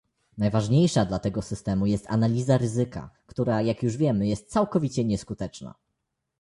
Najważniejsza dla tego systemu jest analiza ryzyka, która jak już wiemy jest całkowicie nieskuteczna